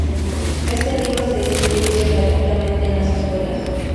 Este libro se distribuye gratuitamente en las escuelas.